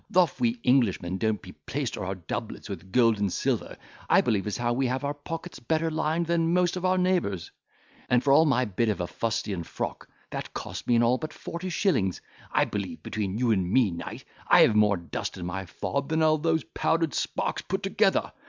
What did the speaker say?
Thof we Englishmen don't beplaister our doublets with gold and silver, I believe as how we have our pockets better lined than most of our neighbours; and for all my bit of a fustian frock, that cost me in all but forty shillings, I believe, between you and me, knight, I have more dust in my fob, than all those powdered sparks put together.